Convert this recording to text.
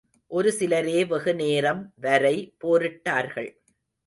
ஒரு சிலரே வெகு நேரம் வரை போரிட்டார்கள்.